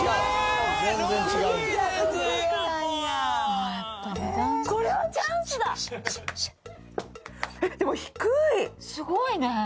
すごいね。